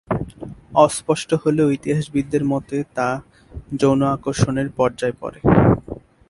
অস্পষ্ট হলেও ইতিহাসবিদদের মতে তা যৌন আকর্ষণের পর্যায় পড়ে।